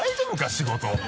仕事。